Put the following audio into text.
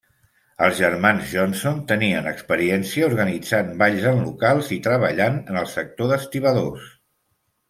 Els germans Johnson tenien experiència organitzant balls en locals i treballant en el sector d'estibadors.